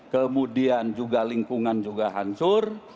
kemudian juga lingkungan juga hancur